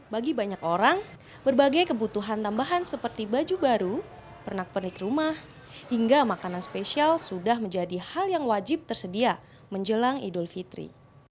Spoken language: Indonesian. bagi banyak orang berbagai kebutuhan tambahan seperti baju baru pernak pernik rumah hingga makanan spesial sudah menjadi hal yang wajib tersedia menjelang idul fitri